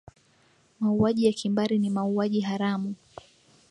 mauaji ya kimbari ni mauaji haramu